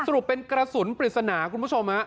สรุปเป็นกระสุนปริศนาคุณผู้ชม